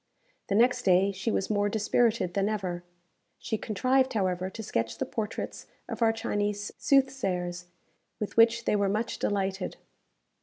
The next day she was more dispirited than ever. She contrived, however, to sketch the portraits of our Chinese soothsayers, with which they were much delighted.